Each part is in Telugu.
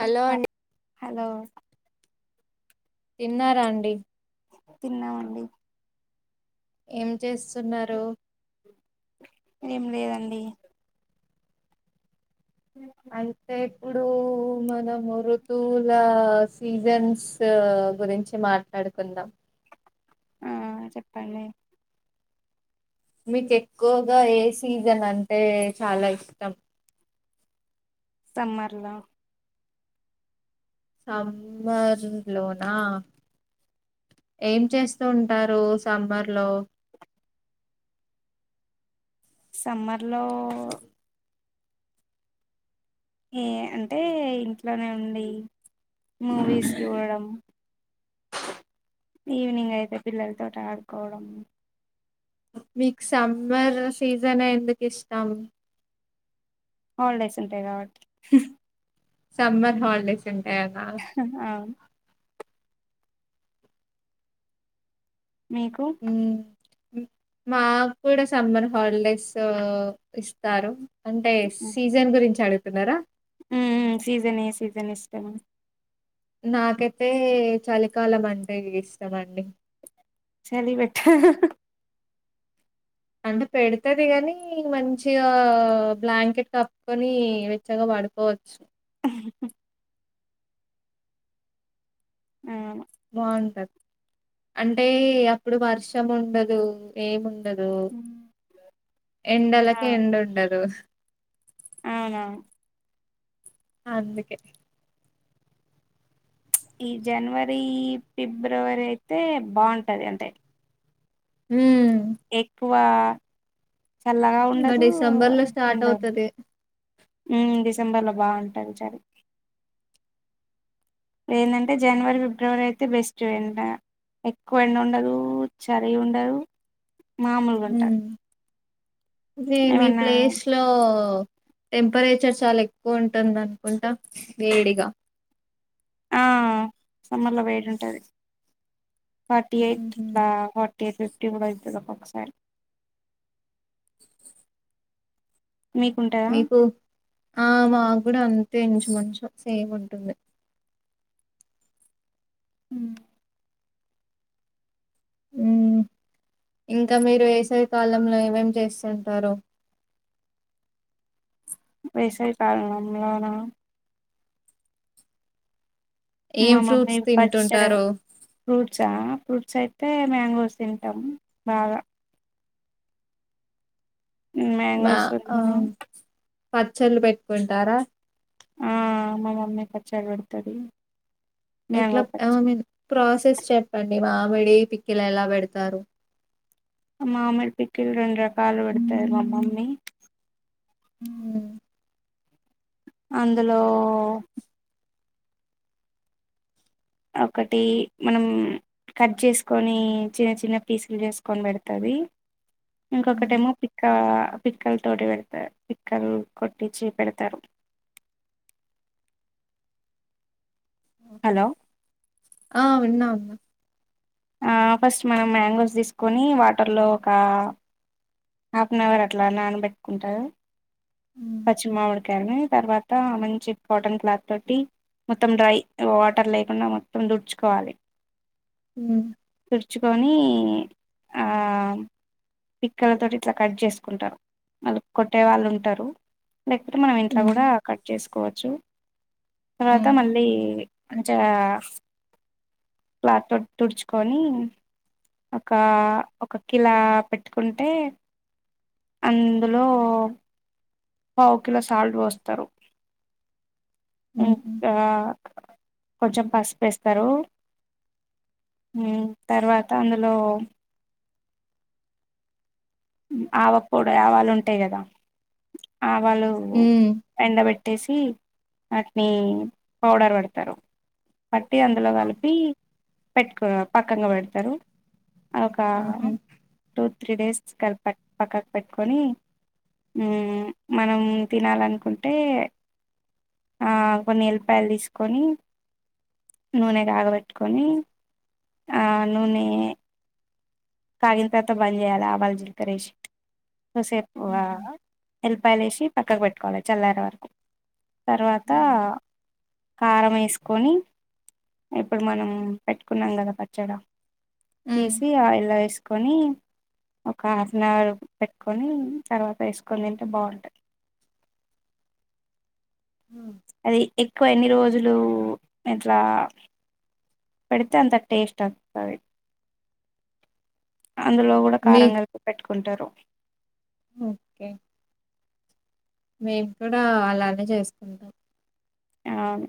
హలో అండి హలో తిన్నారా అండి తిన్నామండి ఏం చేస్తున్నారు ఏం లేదండి అంతే ఇప్పుడు మనము ఋతువుల సీజన్స్ గురించి మాట్లాడుకుందాం ఆ చెప్పండి మీకు ఎక్కువగా ఏ సీజన్ అంటే చాలా ఇష్టం సమ్మర్లా సమ్మర్ లోనా ఏం చేస్తూ ఉంటారు సమ్మర్ లో సమ్మర్ లొ స [unintelligible] ఏ అంటే ఇంట్లోనె ఉండి మూ విస్ చూడడం ఈవినింగ్ అయితె పిల్లలతోటి ఆడుకోవడం మీకు సమ్మర్ సీజన్ ఎందుకు ఇష్టం హాల్ డేస్ ఉంటయి కాబట్టి సమ్మర్ హాల్డేస్ ఉం అహ్ ఆ మీకు. మా క్కూడా సమ్మర్ హాలిడేస్ ఇస్తారు. అంటెయ్ సీజన్ గురించి అడుగు. ఉన్నారా ఉమ్ సీజనే ఏ సీజనె ఇష్టం. నాకైతే చలికాలం అంటె ఇష్టం అండి. చలి వెచ్చ అంటే పెడతది గాని మంచిగా బ్లాంకెట్ కప్పుకొని వెచ్చగా పడుపోవచ్చు. ఊహు ఆ. బావుంటది అంటే అప్పుడు వర్షం ఉండదు ఏముండ. కదు ఎండలకే ఎండ ఉండదు. అవున అందుకె ఈ జనవరి ఫిబ్రవరి అయితే బాగుంటది అండి హుమ్ ఎక్కువా. ఇంకా డిసెంబర్ లో స్టార్ట్ అవుతది. ఉమ్ డిసెంబర్లో బాగుంటుంది చలి ఏందంటే జనవరి ఫిబ్రవరి అయితే బెస్ట్ ఎంతైన ఎక్కువ ఎండ ఉండదు చలి ఉండదు. మామూలుగ ఉంటార్ ఇదే మీ ప్లేస్ లో. టెంపరేచర్ చాల ఎక్కువ ఉంటుంది అనుకుంటా వేడిగా. ఆ సమ్మర్లో వేడి ఉంటది. ఫాటీ ఎయిట్ మ్మ్హ. బా తె ఫిఫ్టీ కూడా అబ్బ ఒకసారి. మీకు ఆ మాక్ కూడా అ. తెంచు మంచు సేమ్ ఉంటుంది. హుమ్ ఉమ్ ఇంకా మీరు వేసవి కాలంలో ఏమేమి చేస్తుంటారు. వేసవి కాలంలో నా మా ఏం మమ్మీ ఫ్రూట్స్ పచ్చడ తింటుంటారు ఫ్రూట్సా. ఫ్రూట్స్ అయితే మ్యాంగోస్ తింటాము బాగా. ఉ మా మ్యాంగోస్ ఉ. ఆ పచ్చళ్ళు పెట్టుకుంటారా. ఆమ్ మా మమ్మీ పచ్చడి పెడతది. మ్యాంగో ఎట్లా ఐ పచ్చడి మీన్ ప్రాసెస్ చెప్పండి మామిడి ప ఎలా ఎలా పెడతారు. మామిడి పికెలు రెండ రకాలు పెడతాది మమ్మీ. ఉ అందులో ఒకటి మనం కట్ చేసుకొని చిన్న చిన్న పీసులు చేసుకొని పెడుతది. మ్మ్. ఇంకొకటేమో పిక్క పిక్కల్ తోటి పెడతర్ పిక్కల్ కొట్టి పిచీ పెడుతారు. ఆ విన్నా. ఆ ఫస్ట్ మనం మ్యాంగోస్ తీసుకొని వాటర్లో ఒకా హాఫ్ అన్ అవర్ అట్ల నానబెట్టుకుంటారు. మ్మ్ పచ్చిమావిడి కడగడం తర్వాత మంచి కాటన్ క్లాత్ తోటి మొత్తం డ్రై వాటర్ లేకుండా మొత్తం తు డ్చుకోవాలి. ఉ తుడుచుకొని ఆ పిక్కల తోటి ఇట్లా కట్ చేసుకుంటారు, మళ్ళ కొట్టే వాళ్ళు ఉంటారు. లేకపోతే మనం ఇంట్లో మ్మ్ కూడా కట్ చేస్ కోవొచ్చు తర్వాత మ్మ్ మళ్ళీయి. కొంచెం క్లాత్ తో తుడుచుకొని ఒక ఒక కిలా పెట్టుకుంటే అందులో పావు కిలో సాల్ట్ పోస్తరు. మ్మ్ ఇంకా [inaudible] కొంచెం పసుపు ఎస్తరు ఉ తర్వాత అందులో ఉ ఆవ పొడి, ఆవాలు ఉంటాయి కదా ఆవాళ్ళు హ్మ్ ఎండబెట్టేసి. వాటిని పౌడర్ పెడతరు. పట్టి అందులో అవును. కలిపి పెట్టుకొ పక్కంగా పెడతరు. ఒక హుహు. టూ త్రీ డేస్ స్కల్ప పక్క పక్కకు పెట్టుకొని ఊ మనం తినాలనుకుంటే ఆ కొన్ని ఎల్లిపాయలు తీసుకొని నూనె కాగబెట్టుకొని ఆ నూనె కాగిన తర్వాత బంద్ చేయాల ఆవాలు, జిలకర్ర ఎసి కోసేపు ఆ హుహు. ఎల్లిపాయలేసి పక్కకు పెట్టుకోవాలె చల్లరే వరకు తర్వాత హ్మ్. కారం ఏసుకొని ఇప్పుడు మనం పెట్ కున్నాం కదా పచ్చడ. హ్మ్. తీసి ఆయిల్ ల తీసుకొని ఒక హాఫ్ నవర్ పెట్టుకొని తర్వాత ఏసుకొని తింటే బావుంటాయి ఉమ్ ఎక్కువ ఎన్ని రోజులు ఇట్లా పెడితే అంత టేస్ట్ వత్తది అందులో కూడా మీ కారం కలిపి పెట్టుకుంటారు ఓకే మేము కూడా అలాగే చేసుకుంటాం అవును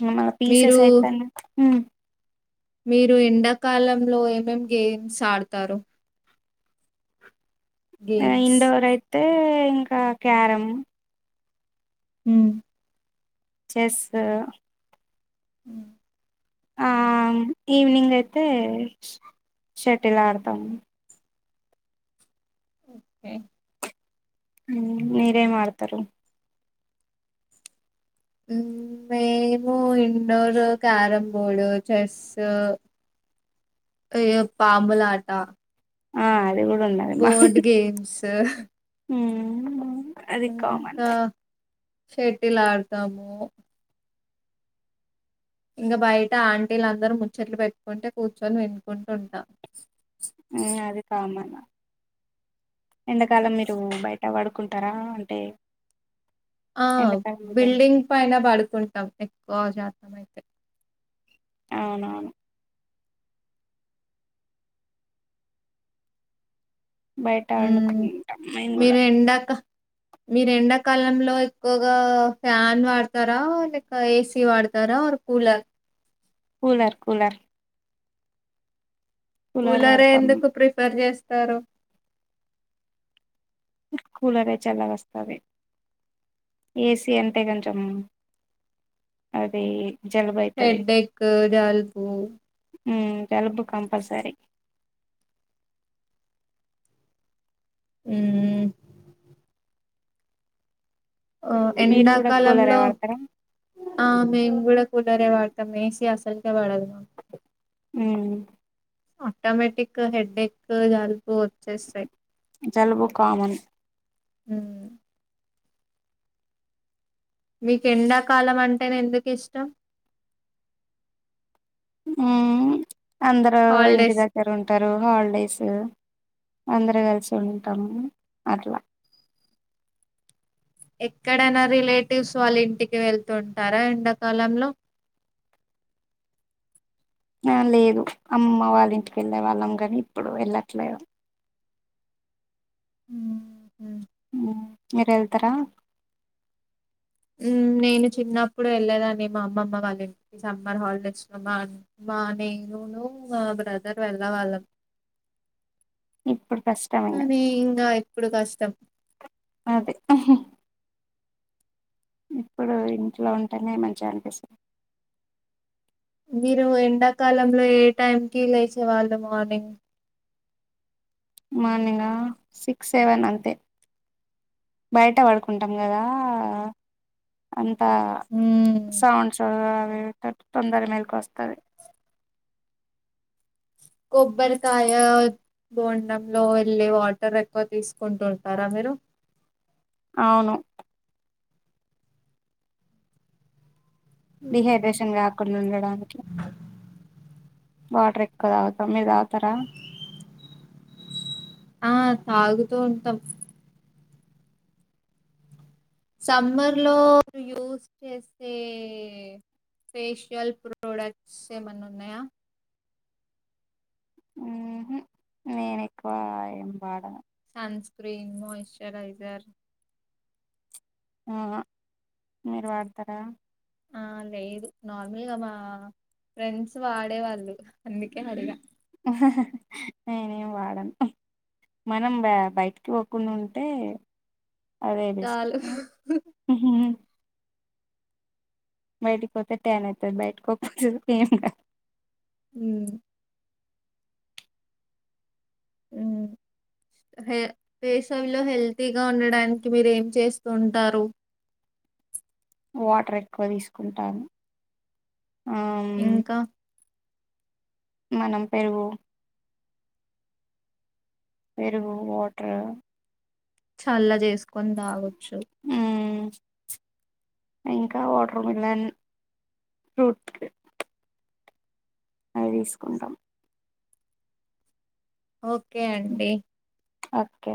ఇంగ మా మీరు, పీసెస్ అయిపోయింది మ్మ్ మీరు ఎండాకాలంలో ఏమేం గేమ్స్ ఆడతారు ఆ గేమ్స్. ఇండోరై తే ఇంక క్యారం ఉమ్ చెస్ ఉమ్ ఆమ్ ఈవెనింగ్ అయితే షటిల్ ఆడతాము ఓకే మీరేం ఆడతారు మ్మ్ మేము ఇండోర్ క్యారం బోడు చెస్ పాములాట ఆ అది కూడా ఉన్నది బోర్డ్ గేమ్స్ మ్మ్ అది కామన్ షెటిల్ ఆడతాము ఇంకా బయట ఆంటీలు అందరూ ముచ్చట్లు పెట్టుకుంటే కూర్చొని వినుకుంటూ ఉంటా మ్ అది కామన్నా ఎండకాలం మీరు బయట పడుకుంటారా అంటే ఆ ఎండాకాలం అయితే బిల్డింగ్ పైన పడుకుంటాం ఎక్కువ జా ఆమైతే అవునవును బయట హ్మ్. పండుకుంటాం మేము మీరు కూడా ఎండాక మీరు ఎండాకాలంలో ఎక్కువగా ఫ్యాన్ వాడతారా లేక ఏ సీ వాడతారా or cooler cooler cooler cooler కూలరే వాడతాం ఎందుకు ప్రిఫర్ చేస్ తారు కూలరే చల్లగా వస్తాది ఏ సీ అంటే కొంచెం అది జలుబు అయితది హెడ్డెక్, జలుబు ఊ జలుబు కంపల్సరి ఊ ఓ మీరు కూడా కూలరే ఎండకాలంలో వాడతారా ఆ మేన్ కూడా ఇరే వాడుతా ఎసి అసలుగా వాడదు. ఊ ఆటోమేటిక్ హెడ్డేక్, జలుబు వచ్చేస్తాయి జలుబు కామన్ ఊ మీకు ఎండాకాలం అంటెనే ఎందుకు ఇష్టం. ఆ ఉ అందరు ఇంటి హాలిడేస్ దగ్గర ఉంటారు. హాలిడేసు అందరూ కల్సిఉంటామ్ అట్లా ఎక్కడైనా రిలేటివ్స్ వాళ్ళ ఇంటికి వెళ్తుంటారా ఎండాకాలమ్లో. ఆ లేదు అమ్మమ్మ వాళ్ళ ఇంటికెళ్ళే వాళ్ళమ్ గాని, ఇప్పుడు వెళ్ళట్లేదు. హుమ్ ఉమ్ ఉమ్ మీరెల్తరా? ఉమ్ నేను చిన్నప్పుడు వెళ్ళేదాన్ని. మా అమ్మమ్మ వాళ్ళ ఇంటి సమ్మర్ హాలిడేస్లో మా అమ్మ నేనును మా బ్రదర్ వెళ్లే వాళ్ళమ్. ఇప్పుడు కష్టం ఇంగ కానీ ఇంకా ఎప్పుడు కాస్త్ తప్ అదే ఆహ్హ్ ఇప్పుడు ఇంట్లో ఉంటేనే మంచిగానిపిస్తుంది. మీరు ఎండాకాలంలో ఏ టైమ్కిి లేసే వాళ్ళు మార్నింగ్. మార్నింగ్ గా సిక్స్, సెవెన్ అంతే బయట పడుకుంటామ్ గదా అ తా ఉమ్ సౌండ్స్ రావ్ ఊ తొందర మేల్క వస్తాది కొబ్బరికాయ బొండంలో వెళ్లే వాటర్ ఎక్కువ తీసుకుంటుంటారా మీరు. ఔను ఉమ్ డిహైడ్రేషన్ రాకుండా ఉండడాన్కి వాటర్ ఎక్కువ తాగ్తామ్. మీరు తాగుతారా? ఆ తాగుతూ ఉంటామ్ సమ్మర్లో యూజ్ చేసే ఫేషియల్ ప్రోడక్ట్స్ ఏమైన్నా ఉన్నయా. ఉహు నేను ఎక్కువ ఏం వాడను సన్ క్రీమ్, మాయిశ్చరైజర్ అహ హ్ మీరు వాడ్తారా ఆ లేదు నార్మల్గా మా ఫ్రెండ్స్ వాడేవాళ్ళు అందుకే అడిగా ఆహ్హ్ ఆహ్హ్ హ్ నేనేమ్ వాడను హ్ మనమ్ బయ్ బయట్కి పోకుండా ఉంటే అదే బెస్ట్ చాలు ఇహ్హ్ ఇహ్హ్ బయట్కి పోతే టాన్ అయితరు, బయట్కిపోకపోతే ఎంగామ్. ఉమ్ ఉమ్ హే వేసివిలో హెల్తీగా ఉండడాన్కి మీరు ఏం చేస్తూ ఉంటారు. వాటర్ ఎక్కువ తీస్కుంటాను. ఆ మ్ ఇంకా మనం పెరుగు పెరుగు వాటర్ చల్లా చేస్కో కోన్ తాగొచ్చు ఇంకా వాటర్ మిలన్ ఫ్రూట్ అవి తీస్కుంటామ్ ఒకే అండి ఒకే